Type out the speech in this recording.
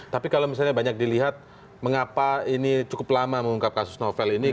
tapi kalau misalnya banyak dilihat mengapa ini cukup lama mengungkap kasus novel ini